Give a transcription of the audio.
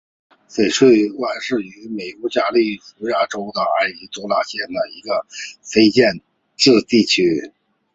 翡翠湾是位于美国加利福尼亚州埃尔多拉多县的一个非建制地区。